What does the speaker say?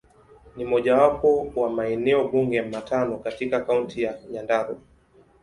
Ni mojawapo wa maeneo bunge matano katika Kaunti ya Nyandarua.